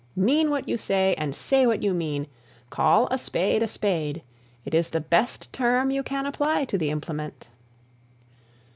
Mean what you say and say what you mean; call a spade a spade, it is the best term you can apply to the implement.